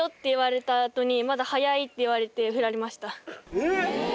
えっ！